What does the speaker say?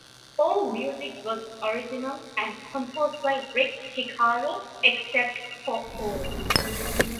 All music was original and composed by Rick Hicaro, except for Oh!